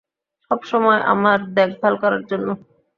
সবসময় আমার দেখভাল করার জন্য।